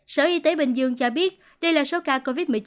sở y tế bình dương cho biết đây là số ca covid một mươi chín